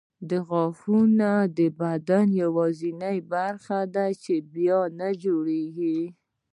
غاښونه د بدن یوازیني برخې دي چې بیا نه جوړېږي.